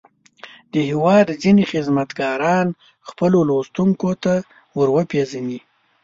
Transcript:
د هېواد ځينې خدمتګاران خپلو لوستونکو ته ور وپېژني.